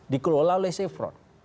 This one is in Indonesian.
dikelola oleh sefron